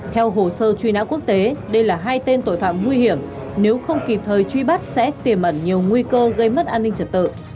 theo hồ sơ truy nã quốc tế đây là hai tên tội phạm nguy hiểm nếu không kịp thời truy bắt sẽ tiềm ẩn nhiều nguy cơ gây mất an ninh trật tự